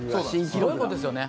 すごいことですよね。